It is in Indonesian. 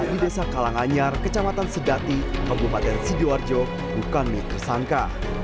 di desa kalanganyar kecamatan sedati kabupaten sidiwarjo bukan mikro sangka